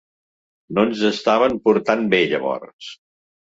No ens estaven portant bé llavors.